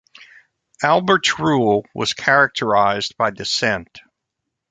Albert's rule was characterised by dissent.